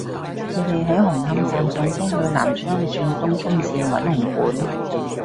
佢哋喺紅磡站上車去南昌轉東涌綫搵紅館